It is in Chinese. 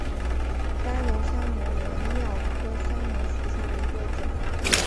单瘤酸模为蓼科酸模属下的一个种。